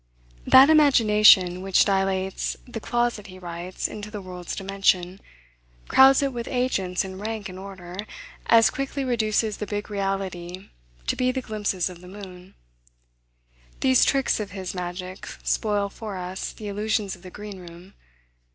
That imagination which dilates the closet he writes into the world's dimension, crowds it with agents in rank and order, as quickly reduces the big reality to be the glimpses of the moon. These tricks of his magic spoil for us the illusions of the green room.